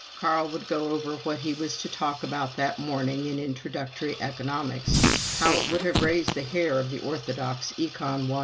Carl would go over what he was to talk about that morning in Introductory Economics (how it would have raised the hair of the orthodox Econ.